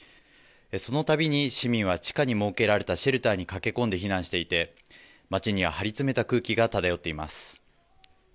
そのたびに、市民は地下に設けられたシェルターに駆け込んで避難していて、街には張り詰めた空気が漂っています。